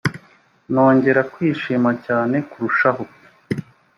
nongera kwishima cyane kurushaho